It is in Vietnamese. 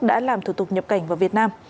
đã làm thủ tục nhập cảnh vào việt nam